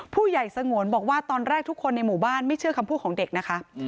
ผู้ใหญ่สงวนบอกว่าตอนแรกทุกคนในหมู่บ้านไม่เชื่อคำพูดของเด็กนะคะ